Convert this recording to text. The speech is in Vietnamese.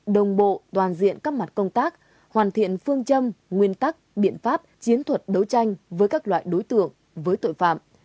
đồng bộ toàn diện các mặt công tác hoàn thiện phương châm nguyên tắc biện pháp chiến thuật đấu tranh với các loại đối tượng với tội phạm